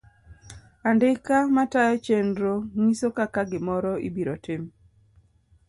Andika matayo chenrno ng'iso kaka gi moro ibiro tim.